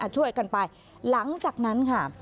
ช่วยกันไปหลังจากนั้นค่ะ